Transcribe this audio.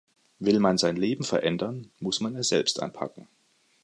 Will man sein Leben verändern, muss man es selbst anpacken.